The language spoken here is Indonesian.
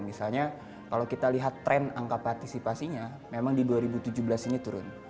misalnya kalau kita lihat tren angka partisipasinya memang di dua ribu tujuh belas ini turun